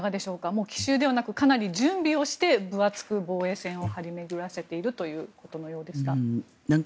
もう奇襲ではなくかなり準備して防衛線を張り巡らせているということのようですが。